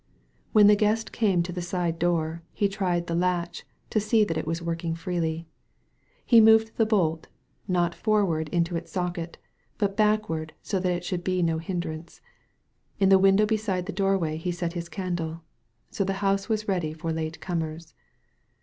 When the Guest came to the side door he tried the latch, to see that it was working freely. He moved the bolt, not forward into its socket, but backward so that it should be no hindrance. In the window beside the doorway he set his candle. So the house was ready for late comers.